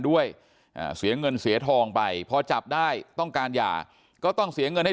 ด้วยเสียเงินเสียทองไปพอจับได้ต้องการหย่าก็ต้องเสียเงินให้